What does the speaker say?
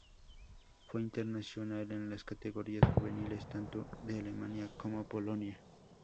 Fue internacional en las categorías juveniles tanto de Alemania como Polonia.